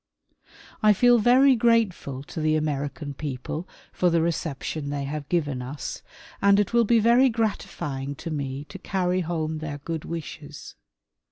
I feel very grateful to the American people for the reception they have given us and it will be very gratifying to me to carry home their good wishes.